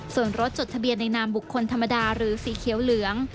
ส่วนรถจดทะเบียนในนามบุคคลธรรมดาหรือสีเขียวเหลือง